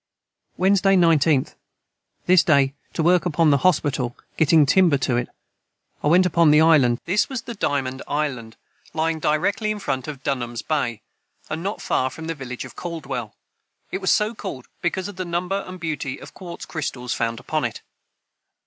Wednesday 19th. This day to work upon the Hospetal gitting timber to it I went upon the Island to stay thair a week. [Footnote 45: This was Diamond island, lying directly in front of Dunham's bay, and not far from the village of Caldwell. It was so called because of the number and beauty of quartz crystals found upon it.